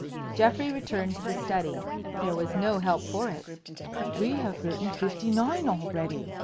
Geoffrey returned to the study. There was no help for it. "We have written fifty nine already!"